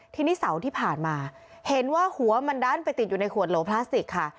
ทีนี้เสาร์ที่ผ่านมาเห็นว่าหัวมันดันไปติดอยู่ในขวดโหลพลาสติกค่ะ